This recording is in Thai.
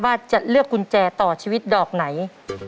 ว่าจะเลือกกุญแจต่อชีวิตดอกไหน